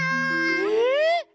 えっ！